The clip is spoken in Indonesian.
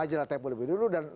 majalah tempo lebih dulu